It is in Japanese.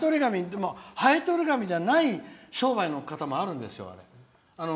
でも、はえとり紙じゃない商売の方もあるんですよ。